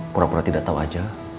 pura pura tidak tahu saja